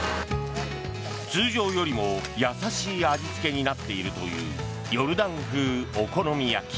通常よりも優しい味付けになっているというヨルダン風お好み焼き。